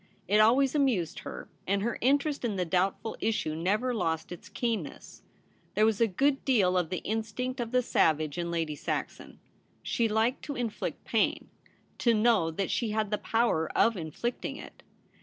It always amused her, and her interest in the doubtful issue never lost its keenness. There was a good deal of the instinct of the savage in Lady Saxon ; she liked to inflict pain — to know that she had the power of inflicting it.